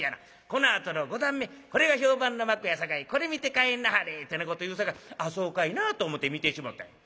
このあとの五段目これが評判の幕やさかいこれ見て帰んなはれ』ってなこと言うさかい『ああそうかいな』と思って見てしもたんや。